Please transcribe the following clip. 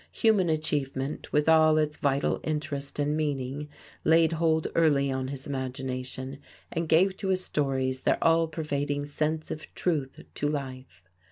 Human achievement, with all its vital interest and meaning, laid hold early on his imagination and gave to his stories their all pervading sense of truth to life.